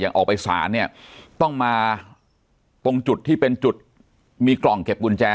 ออกไปสารเนี่ยต้องมาตรงจุดที่เป็นจุดมีกล่องเก็บกุญแจ